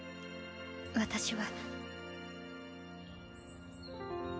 私は。